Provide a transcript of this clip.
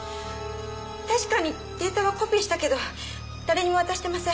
確かにデータはコピーしたけど誰にも渡してません